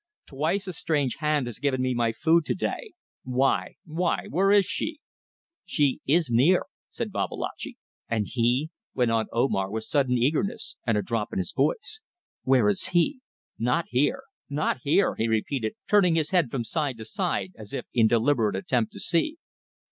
Twice a strange hand has given me my food to day. Why? Why? Where is she?" "She is near," said Babalatchi. "And he?" went on Omar, with sudden eagerness, and a drop in his voice. "Where is he? Not here. Not here!" he repeated, turning his head from side to side as if in deliberate attempt to see.